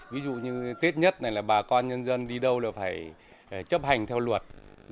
ví dụ như tết nhất này là bà con nhân dân đi đâu là phải chấp hành theo luật